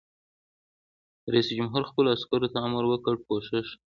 رئیس جمهور خپلو عسکرو ته امر وکړ؛ پوښښ!